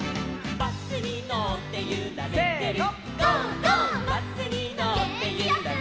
「バスにのってゆられてる」